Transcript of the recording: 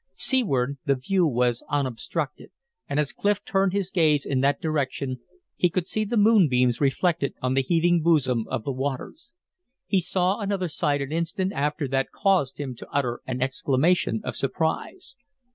Seaward the view was unobstructed, and as Clif turned his gaze in that direction, he could see the moonbeams reflected on the heaving bosom of the waters. He saw another sight an instant after that caused him to utter an exclamation of surprise.